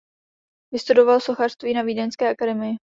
Vystudoval sochařství na vídeňské Akademii.